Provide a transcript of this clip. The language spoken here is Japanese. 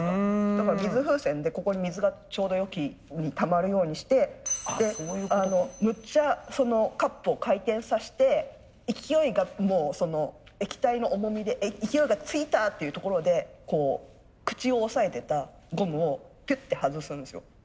だから水風船でここに水がちょうどよきにたまるようにしてむっちゃそのカップを回転させて勢いが液体の重みで勢いがついたっていうところで口を押さえてたゴムをピュッて外すんですよ。